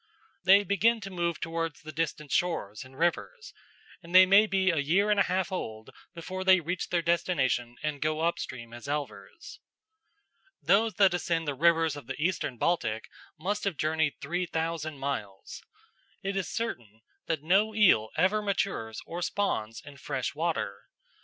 They begin to move towards the distant shores and rivers, and they may be a year and a half old before they reach their destination and go up stream as elvers. Those that ascend the rivers of the Eastern Baltic must have journeyed three thousand miles. It is certain that no eel ever matures or spawns in fresh water.